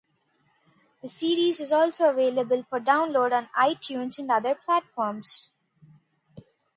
The series is also available for download on iTunes and other platforms.